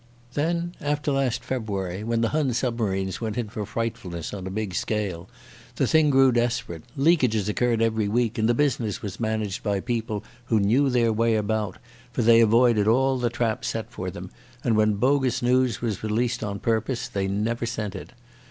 Then after last February, when the Hun submarines went in for frightfulness on a big scale, the thing grew desperate. Leakages occurred every week, and the business was managed by people who knew their way about, for they avoided all the traps set for them, and when bogus news was released on purpose, they never sent it.